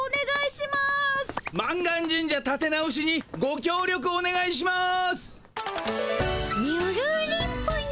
満願神社たて直しにごきょう力おねがいします。